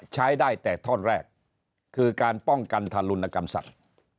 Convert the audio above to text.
ใช้ได้แต่ท่อนแรกคือการป้องกันทารุณกรรมสัตว์